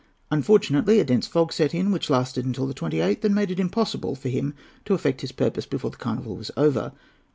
Unfortunately a dense fog set in, which lasted till the 28th, and made it impossible for him to effect his purpose before the carnival was over.